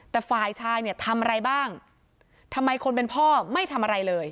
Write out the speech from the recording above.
แต่ฝ่ายชายเนี่ยทำอะไรบ้างทำไมคนเป็นพ่อไม่ทำอะไรเลย